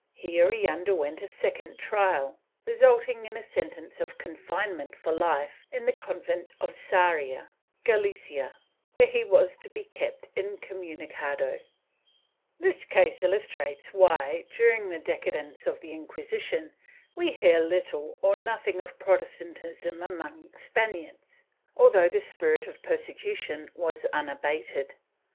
Here he underwent a second trial, resulting in a sen tence of confinement for life in the convent of Sarria (GaHcia), where he was to be kept incomunicado} This case illustrates why, during the decadence of the Inquisi tion, we hear little or nothing of Protestantism among Spaniards, although the spirit of persecution was unabated.